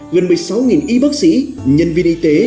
gần một mươi sáu y bác sĩ nhân viên y tế